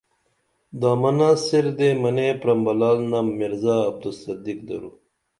دامننہ سیردے منے پرمبلال نم مرزا عبدالصدیق درو